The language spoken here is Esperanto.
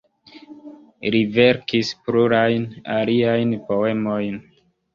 Li verkis plurajn aliajn poemojn.